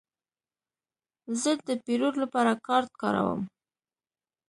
زه د پیرود لپاره کارت کاروم.